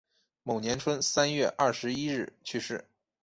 某年春三月二十一日去世。